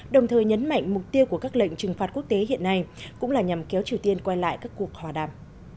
đồng thời nhấn mạnh mục tiêu của các lệnh trừng phạt quốc tế hiện nay cũng là nhằm kéo triều tiên quay lại các cuộc hòa đàm